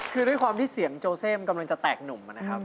คือด้วยความที่เสียงโจเซมกำลังจะแตกหนุ่มนะครับ